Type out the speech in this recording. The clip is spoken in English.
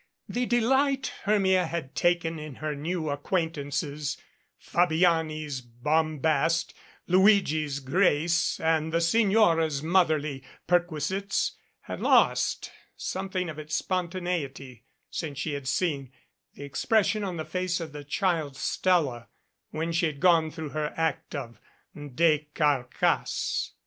The delight Hermia had taken in her new acquaintances Fabiani's bombast, Luigi's grace, and the Signora's motherly perquisites had lost some of its spontaneity since she had seen the expression on the face of the child Stella, when she had gone through her act of decarcasse.